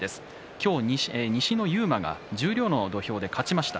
今日、西の勇磨が十両の土俵で勝ちました。